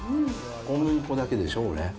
小麦粉だけでしょ、これ。